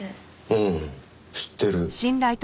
うん知ってる。